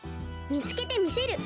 みつけてみせる。